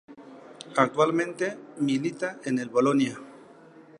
Actualmente milita en el Bolonia.